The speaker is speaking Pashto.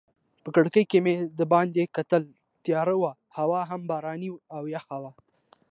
په کړکۍ کې مې دباندې کتل، تیاره وه هوا هم باراني او یخه وه.